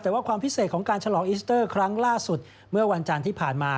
แต่ว่าความพิเศษของการฉลองอิสเตอร์ครั้งล่าสุดเมื่อวันจันทร์ที่ผ่านมา